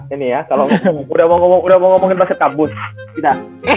ini ya kalo udah mau ngomongin bahas apa kabut kita